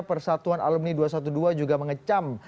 persatuan alumni dua ratus dua belas juga mengecam